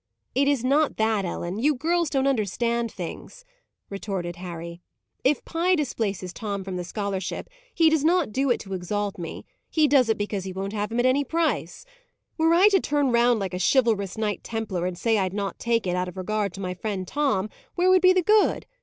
"It is not that, Ellen; you girls don't understand things," retorted Harry. "If Pye displaces Tom from the scholarship, he does not do it to exalt me; he does it because he won't have him at any price. Were I to turn round like a chivalrous Knight Templar and say I'd not take it, out of regard to my friend Tom, where would be the good?